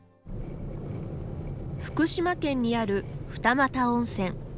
福島県にある二岐温泉。